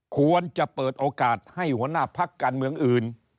ควรจะเปิดโอกาสให้หัวหน้าพักการเมืองอื่น